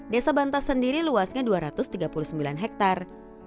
desa bantas sendiri luasnya dua ratus tiga puluh sembilan hektare